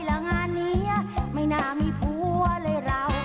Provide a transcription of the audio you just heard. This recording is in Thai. แล้วงานนี้ไม่น่ามีผัวเลยเรา